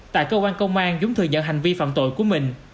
tại cơ quan công an dũng thừa nhận hành vi phạm tội của mình